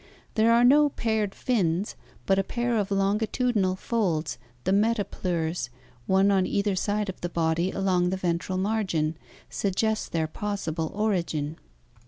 There are no paired fins; but a pair of longitudinal folds, the metapleures, one on either side of the body along the ventral margin, suggest their possible origin.